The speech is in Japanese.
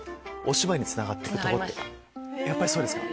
やっぱりそうですか！